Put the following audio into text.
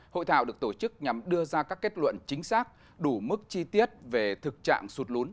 hội thảo được tổ chức nhằm đưa ra các kết luận chính xác đủ mức chi tiết về thực trạng sụt lún